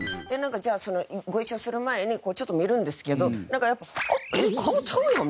じゃあご一緒する前にちょっと見るんですけどなんか顔ちゃうやん！